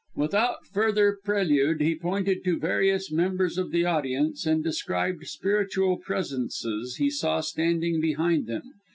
Without further prelude he pointed to various members of the audience, and described spiritual presences he saw standing behind them.